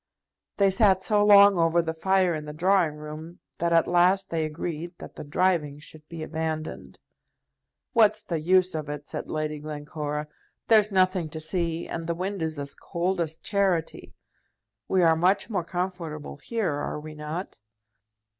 They sat so long over the fire in the drawing room that at last they agreed that the driving should be abandoned. "What's the use of it?" said Lady Glencora. "There's nothing to see, and the wind is as cold as charity. We are much more comfortable here; are we not?"